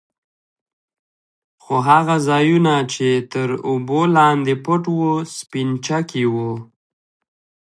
خو هغه ځايونه يې چې تر اوبو لاندې پټ وو سپينچکي وو.